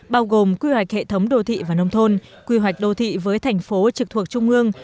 bao gồm quy hoạch hệ thống đô thị và nông thôn quy hoạch đô thị với thành phố trực thuộc trung ương